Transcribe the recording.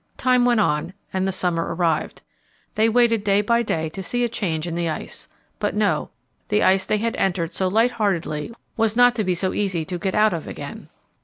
Time went on, and the summer arrived. They waited day by day to see a change in the ice. But no; the ice they had entered so light heartedly was not to be so easy to get out of again.